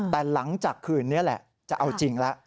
แต่หลังจากคืนนี้แหละจะเอาจริงแล้ว